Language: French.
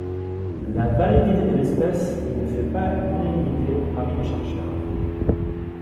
La validité de l'espèce ne fait pas l'unanimité parmi les chercheurs.